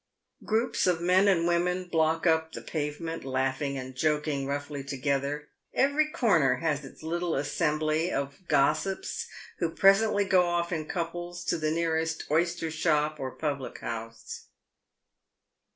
Groups of men and women block up the pavement, laughing and joking roughly together ; every corner has its little assembly of gossips, who presently go off in couples to the nearest oyster shop or public house.